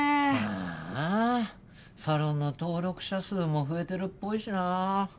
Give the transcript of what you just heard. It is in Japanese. ああサロンの登録者数も増えてるっぽいしなぁ。